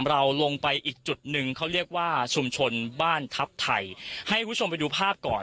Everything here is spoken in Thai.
เราลงไปอีกจุดหนึ่งเขาเรียกว่าชุมชนบ้านทัพไทยให้คุณผู้ชมไปดูภาพก่อน